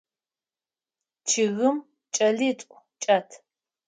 Чъыгым кӏэлитӏу чӏэт.